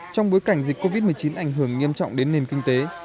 trong bối cảnh dịch covid một mươi chín ảnh hưởng nghiêm trọng đến nền kinh tế